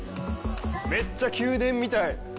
めっちゃ宮殿みたい。